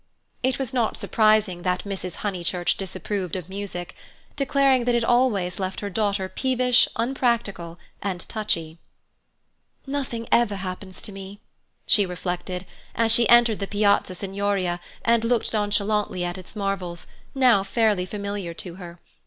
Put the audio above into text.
It was not surprising that Mrs. Honeychurch disapproved of music, declaring that it always left her daughter peevish, unpractical, and touchy. "Nothing ever happens to me," she reflected, as she entered the Piazza Signoria and looked nonchalantly at its marvels, now fairly familiar to her.